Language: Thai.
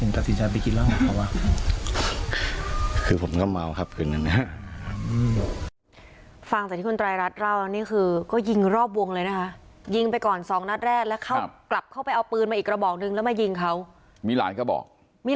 นิสัยคือเขาเป็นคนโภคร้ายครับประมาณนี้ครับโภคร้ายประมาณนี้